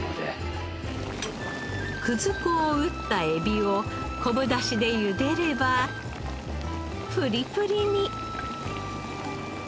葛粉を打った海老を昆布だしでゆでればプリプリに。